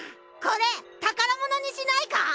これ宝物にしないか？